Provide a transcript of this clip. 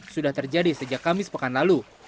sudah terjadi sejak kamis pekan lalu